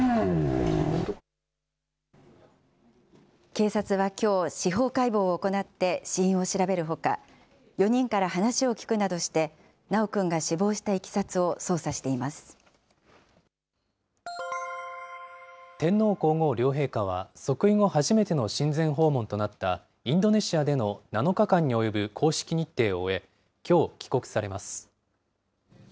警察はきょう、司法解剖を行って死因を調べるほか、４人から話を聞くなどして、修くんが死亡したいきさつを捜査して天皇皇后両陛下は、即位後初めての親善訪問となったインドネシアでの７日間におよぶ公式日程を終え、きょう帰国されます。